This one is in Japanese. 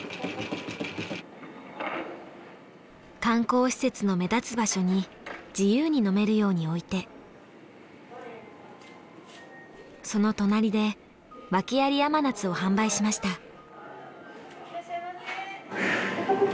観光施設の目立つ場所に自由に飲めるように置いてその隣でワケあり甘夏を販売しました。